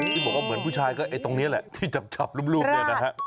ที่บอกว่าเหมือนผู้ชายก็ไอ้ตรงนี้แหละที่จับรูปเนี่ยนะฮะ